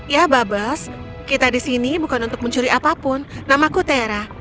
ya babas kita di sini bukan untuk mencuri apapun namaku tera